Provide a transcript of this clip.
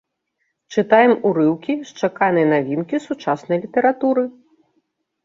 Чытаем урыўкі з чаканай навінкі сучаснай літаратуры.